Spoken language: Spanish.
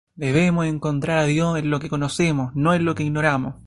Debemos encontrar a Dios en lo que conocemos, no en lo que ignoramos".